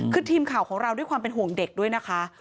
คือทีมข่าวของเราด้วยความเป็นห่วงเด็กด้วยนะคะ